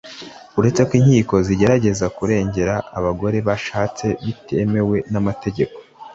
uretse ko inkiko zigerageza kurengera abagore bashatse bitemewe n'amategeko